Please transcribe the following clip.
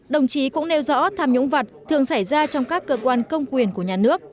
đồng chí cũng nêu rõ tham nhũng vặt thường xảy ra trong các cơ quan công quyền của nhà nước